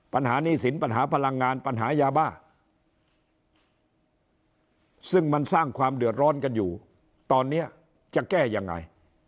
หนี้สินปัญหาพลังงานปัญหายาบ้าซึ่งมันสร้างความเดือดร้อนกันอยู่ตอนนี้จะแก้ยังไง